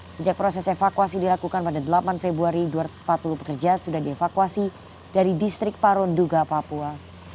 sejak proses evakuasi dilakukan pada delapan februari dua ratus empat puluh pekerja sudah dievakuasi dari distrik paronduga papua